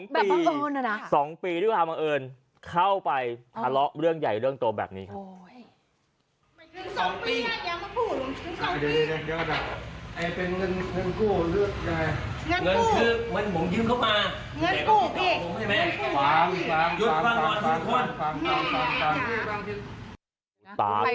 ๒ปีที่ว่าธนาคารบังเอิร์นเข้าไปทะเลาะเรื่องใหญ่เรื่องโตแบบนี้ครับ